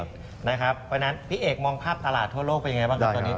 เพราะฉะนั้นพี่เอกมองภาพตลาดทั่วโลกเป็นยังไงบ้างครับตอนนี้